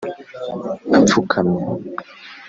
apfukamye…